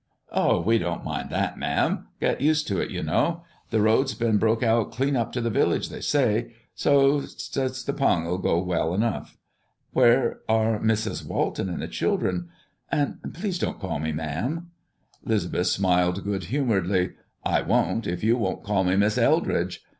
"Oh, we don't mind that, ma'am. Get used to it, you know. The road's been broke out clean up t' the village, they say, so 's 't the pung'll go well enough." "Where are Mrs. Walton and the children? And please don't call me ma'am." 'Lisbeth smiled good humoredly: "I won't, if you won't call me 'Mis' Eldridge.